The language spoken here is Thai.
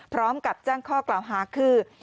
พร้อมกับแจ้งข้อกล่าวหาคือ